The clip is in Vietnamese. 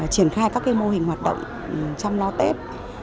triển khai các mô hình hoạt động chăm lo tết